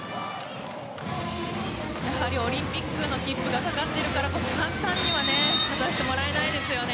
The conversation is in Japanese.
オリンピックの切符が懸かっているからこそ簡単には勝たせてもらえません。